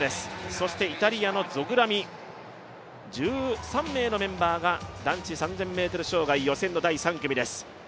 そしてイタリアのゾグラミ、１３名のメンバーが男子３０００ｍ障害予選の第３組です。